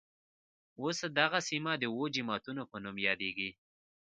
اوس دغه سیمه د اوه جوماتونوپه نوم يادېږي.